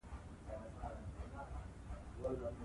ازادي راډیو د ټولنیز بدلون لپاره عامه پوهاوي لوړ کړی.